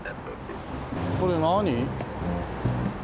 これ何？